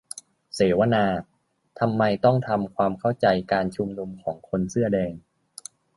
เสวนา : ทำไมต้องทำความเข้าใจการชุมนุมของคนเสื้อแดง